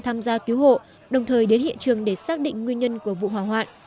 tham gia cứu hộ đồng thời đến hiện trường để xác định nguyên nhân của vụ hỏa hoạn